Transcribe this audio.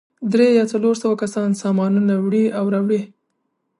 درې یا څلور سوه کسان سامانونه وړي او راوړي.